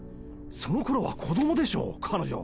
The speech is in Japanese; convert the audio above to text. そのころは子どもでしょう彼女。